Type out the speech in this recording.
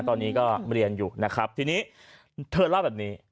ตอนนี้ก็เรียนอยู่นะครับทีนี้เธอเล่าแบบนี้